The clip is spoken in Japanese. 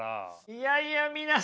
いやいや皆さん